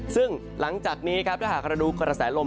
ซึ่งหลังจากนี้ครับถ้าหากเราดูกระแสลม